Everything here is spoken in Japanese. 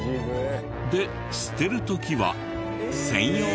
で捨てる時は専用の袋まで。